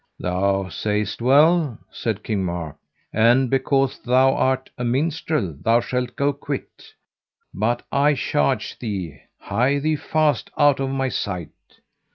Thou sayest well, said King Mark, and because thou art a minstrel thou shalt go quit, but I charge thee hie thee fast out of my sight.